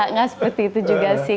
nggak seperti itu juga sih